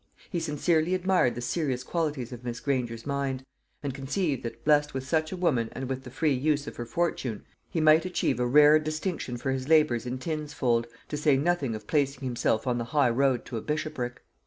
He sincerely admired the serious qualities of Miss Granger's mind, and conceived that, blest with such a woman and with the free use of her fortune, he might achieve a rare distinction for his labours in this fold, to say nothing of placing himself on the high road to a bishopric.